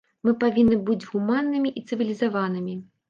Мы павінны быць гуманнымі і цывілізаванымі.